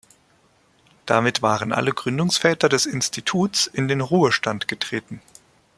Damit waren alle Gründungsväter des Instituts in den Ruhestand getreten.